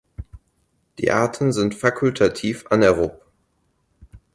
Die Arten sind fakultativ anaerob.